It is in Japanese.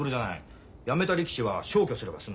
やめた力士は消去すれば済む。